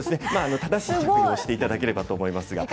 正しい使い方をしていただければと思いますが。